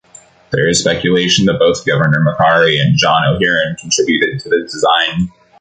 There is speculation that both Governor Macquarie and John O'Hearen contributed to the design.